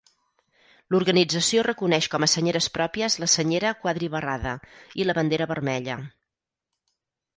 L'organització reconeix com a senyeres pròpies la senyera quadribarrada i la bandera vermella.